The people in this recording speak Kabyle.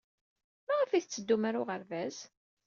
Maɣef ay tetteddum ɣer uɣerbaz?